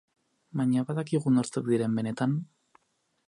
Baina badakigu nortzuk diren benetan?